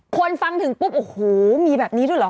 คนฟังถึงปุ๊บอื้อหูมีแบบนี้ดูเหรอ